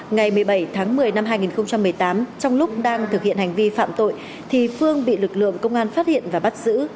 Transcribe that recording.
ngày một mươi bảy tháng một mươi năm hai nghìn một mươi tám trong lúc đang thực hiện hành vi phạm tội thì phương bị lực lượng công an phát hiện và bắt giữ